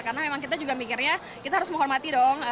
karena memang kita juga mikirnya kita harus menghormati dong